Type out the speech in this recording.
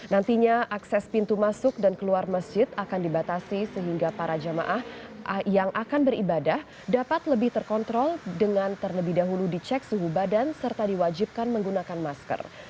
nantinya akses pintu masuk dan keluar masjid akan dibatasi sehingga para jamaah yang akan beribadah dapat lebih terkontrol dengan terlebih dahulu dicek suhu badan serta diwajibkan menggunakan masker